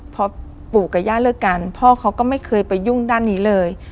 พอปู่กับย่าเลิกกันพ่อเขาก็ไม่เคยไปยุ่งด้านนี้เลย